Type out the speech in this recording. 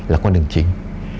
là con đường chính